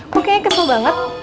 kok kayaknya kesel banget